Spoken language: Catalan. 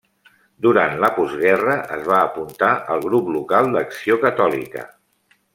Durant la Postguerra es va apuntar al grup local d'Acció Catòlica.